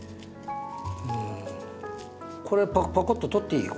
これパコッと取っていい？